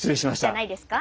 じゃないですか？